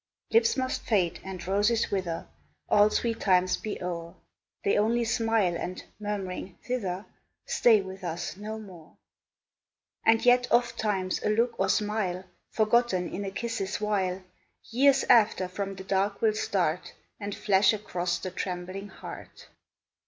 Lips must fade and roses wither, All sweet times be o'er, They only smile, and, murmuring "Thither!" Stay with us no more: And yet ofttimes a look or smile, Forgotten in a kiss's while, Years after from the dark will start, And flash across the trembling heart.